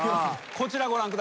こちらご覧ください。